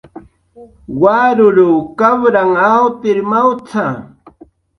"Waruw kapranh awtir mawt""a"